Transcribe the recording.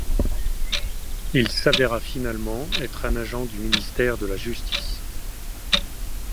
Il s'avérera finalement être un agent du ministère de la Justice.